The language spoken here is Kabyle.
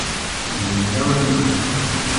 Zemleɣ yiwen.